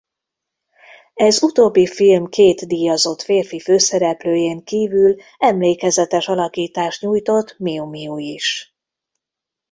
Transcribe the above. Ez utóbbi film két díjazott férfi főszereplőjén kívül emlékezetes alakítást nyújtott Miou-Miou is.